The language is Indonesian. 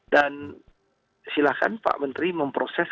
dan silakan pak menteri memproses